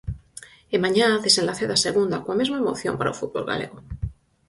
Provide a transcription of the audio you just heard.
E mañá desenlace da Segunda, coa mesma emoción para o fútbol galego.